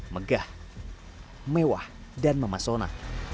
megah mewah dan memasona